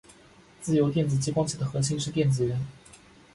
自由电子激光器的核心是电子源。